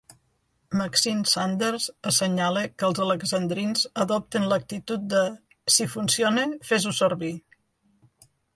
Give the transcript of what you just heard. Maxine Sanders assenyala que els alexandrins adopten l'actitud de "si funciona, fes-ho servir".